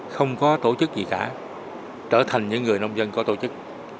không có tổ chức gì cả trở thành những người nông dân có tổ chức